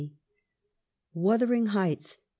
1 WUTHERING HEIGHTS